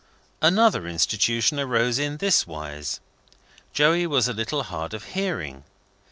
Another Institution arose in this wise. Joey was a little hard of hearing.